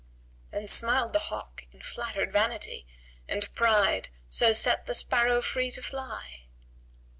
Then smiled the hawk in flattered vanity * And pride, so set the sparrow free to fly.